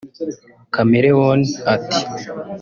Chameleoene ati